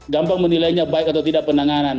gampang menilainya baik atau tidak penanganan